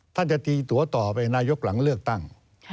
จะตีตัวต่อไปนายกหลังเลือกตั้ง